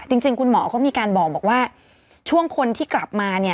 จริงจริงคุณหมอก็มีการบอกบอกว่าช่วงคนที่กลับมาเนี้ย